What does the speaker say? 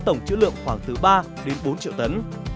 tổng chữ lượng khoảng từ ba đến bốn triệu tấn